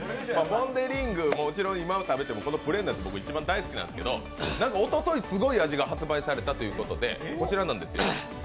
ポン・デ・リング、もちろん今食べて、プレーンも僕、大好きなんですけどおととい、すごい味が発売されたということで、こちらなんですよ。